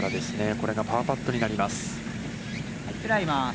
これがパーパットになります。